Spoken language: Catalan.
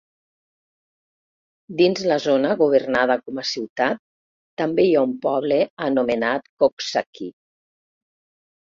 Dins la zona governada com a ciutat, també hi ha un poble anomenat Coxsackie.